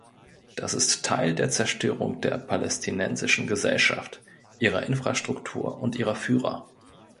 Das ist Teil der Zerstörung der palästinensischen Gesellschaft, ihrer Infrastruktur und ihrer Führer.